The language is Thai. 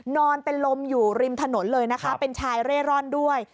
นอนเป็นลมอยู่ริมถนนเลยนะคะเป็นชายเร่ร่อนด้วย